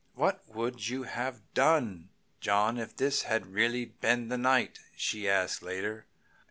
"What would you have done, John, if this had really been the night?" she asked later.